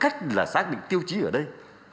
cách là xác định tiêu chí ở đây